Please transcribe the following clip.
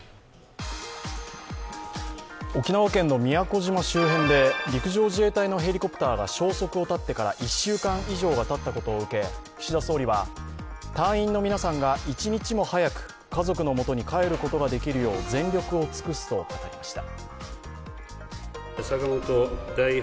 沖縄県の宮古島周辺で陸上自衛隊のヘリコプターが消息を絶ってから１週間以上がたったことを受け、岸田総理は隊員の皆さんが一日も早く家族の元に帰ることができるよう全力を尽くすと語りました。